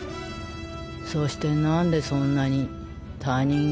そしてなんでそんなに他人行儀なのよ。